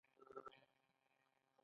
ما خپله لیکنه د شپې ناوخته کوله.